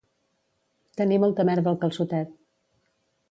Tenir molta merda al calçotet